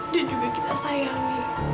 dan juga kita sayang